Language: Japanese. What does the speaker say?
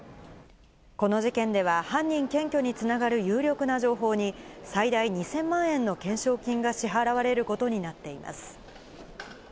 この事件では、犯人検挙につながる有力な情報に、最大２０００万円の懸賞金が支払われることになっています。